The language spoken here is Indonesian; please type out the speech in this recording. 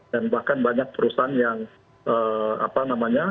dan bahkan banyak perusahaan yang apa namanya